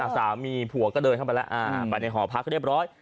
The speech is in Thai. สามีผัวก็เดินเข้าไปแล้วไปในหอพักเรียบร้อย